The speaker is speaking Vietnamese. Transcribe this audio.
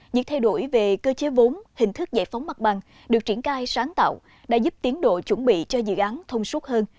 những thay đổi về cơ chế vốn hình thức giải phóng mặt bằng được triển cai sáng tạo đã giúp tiến độ chuẩn bị cho dự án thông suốt hơn